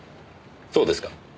そうですが。